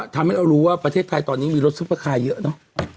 ทำให้เรารู้ว่าประเทศไทยตอนนี้มีรถซุปเปอร์คาร์เยอะเนอะ